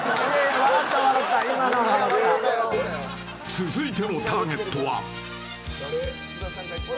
続いてのターゲットは。